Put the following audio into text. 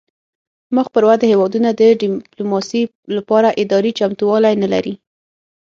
مخ پر ودې هیوادونه د ډیپلوماسي لپاره اداري چمتووالی نلري